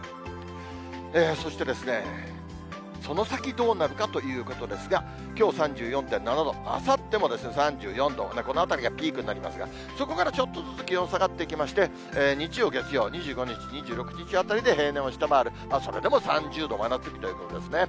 そして、その先どうなるかということですが、きょう３４．７度、あさっても３４度、このあたりがピークになりますが、そこからちょっとずつ気温下がっていきまして、日曜、月曜、２５日、２６日あたりで、平年を下回る、それでも３０度、真夏日ということですね。